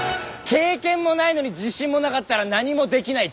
経験もないのに自信もなかったら何もできない。